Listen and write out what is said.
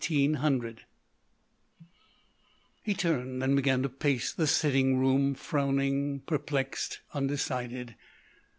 '" He turned and began to pace the sitting room, frowning, perplexed, undecided.